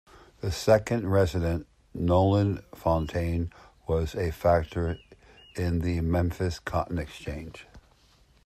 The second resident, Noland Fontaine, was a factor in the Memphis Cotton Exchange.